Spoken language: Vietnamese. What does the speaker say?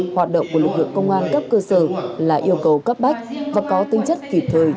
hoạt động của lực lượng công an cấp cơ sở là yêu cầu cấp bách và có tinh chất kịp thời